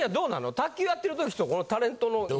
卓球やってる時とタレントの今。